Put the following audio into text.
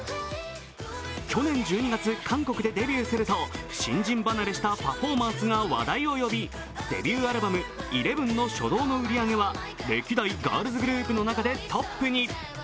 去年１２月韓国でデビューすると新人離れしたパフォーマンスが話題を呼び、デビューアルバム「ＥＬＥＶＥＮ」の初動の売り上げは歴代ガールズグループの中でトップに。